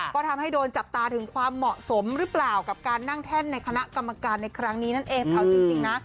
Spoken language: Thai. ก็ทำให้โดนจับตาถึงความเหมาะสมหรือเปล่ากับการนั่งแท่นในคณะกรรมการในครั้งนี้นั่นเองเอาจริงนะ